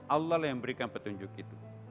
allah lah yang berikan petunjuk itu